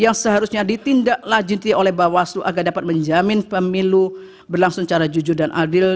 yang seharusnya ditindaklanjuti oleh bawaslu agar dapat menjamin pemilu berlangsung cara jujur dan adil